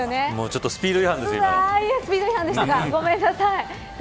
ちょっとスピード違反です今の。